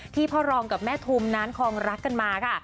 พ่อรองกับแม่ทุมนั้นคลองรักกันมาค่ะ